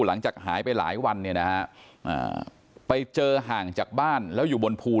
หลังจากหายไปหลายวันเนี่ยนะฮะไปเจอห่างจากบ้านแล้วอยู่บนภู